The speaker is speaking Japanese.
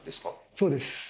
そうです。